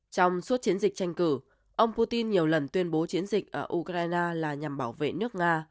trong suốt chiến dịch tranh cử ông putin nhiều lần tuyên bố chiến dịch ở ukraine là nhằm bảo vệ nước nga